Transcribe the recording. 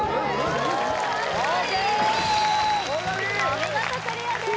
お見事クリアです